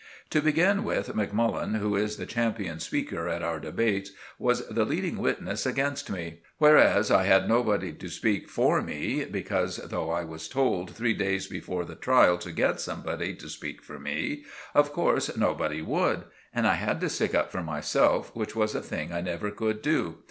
To begin with, Macmullen, who is the champion speaker at our debates, was the leading witness against me; whereas I had nobody to speak for me, because though I was told three days before the trial to get somebody to speak for me, of course nobody would; and I had to stick up for myself, which was a thing I never could do.